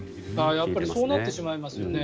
やっぱりそうなってしまいますよね。